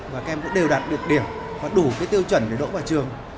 và các em cũng đều đạt được điểm và đủ tiêu chuẩn để đỗ vào trường